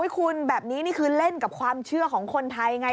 คุณแบบนี้นี่คือเล่นกับความเชื่อของคนไทยไง